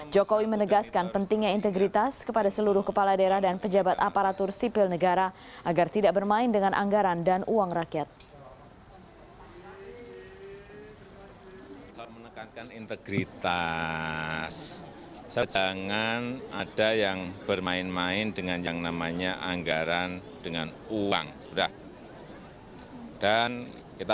jokowi menegaskan pentingnya integritas kepada seluruh kepala daerah dan pejabat aparatur sipil negara agar tidak bermain dengan anggaran dan uang rakyat